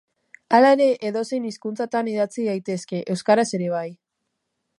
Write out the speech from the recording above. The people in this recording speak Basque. Hala ere, edozein hizkuntzatan idatzi daitezke, euskaraz ere bai.